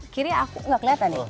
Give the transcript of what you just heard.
kiri aku gak kelihatan nih